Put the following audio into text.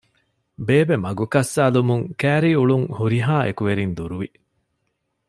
ބޭބެ މަގު ކައްސައިލުމުން ކައިރީ އުޅުން ހުރިހާ އެކުވެރިން ދުރުވި